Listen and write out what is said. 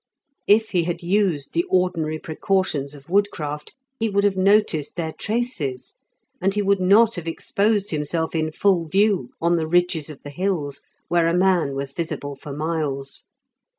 If he had used the ordinary precautions of woodcraft, he would have noticed their traces, and he would not have exposed himself in full view on the ridges of the hills, where a man was visible for miles.